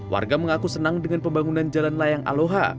warga mengaku senang dengan pembangunan jalan layang aloha